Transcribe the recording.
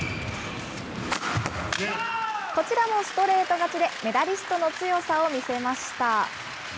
こちらもストレート勝ちで、メダリストの強さを見せました。